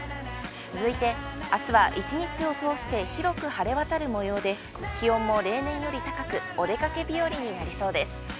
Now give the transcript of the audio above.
続いて、あすは、１日を通して、広く晴れわたる模様で、気温も例年より高く、お出かけ日和になりそうです。